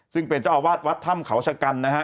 ซึ่งเป็นเจ้าอาวาสวัดถ้ำเขาชะกันนะฮะ